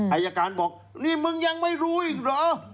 อายการบอกนี่มึงยังไม่รู้อีกเหรอ